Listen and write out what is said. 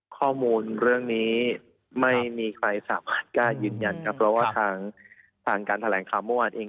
ข้อมูลเรื่องนี้ไม่มีใครสามารถกล้ายืนยันครับเพราะว่าทางการแถลงข่าวเมื่อวานเอง